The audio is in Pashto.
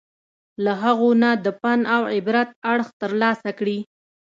له هغو نه د پند او عبرت اړخ ترلاسه کړي.